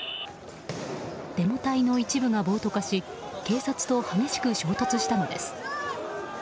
デモ隊の一部が暴徒化し警察と激しく衝突したのです。